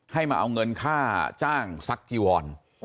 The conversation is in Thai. ให้มาเอาเงินค่าจ้างซักจีวอน